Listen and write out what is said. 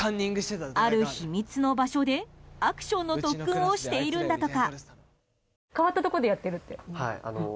ある秘密の場所でアクションの特訓をしているんだとか。